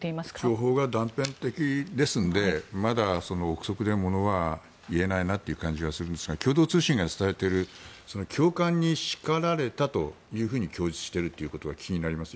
情報が断片的ですのでまだ臆測で物は言えないなという感じはするんですが共同通信が伝えている教官に叱られたと供述しているというのが気になります。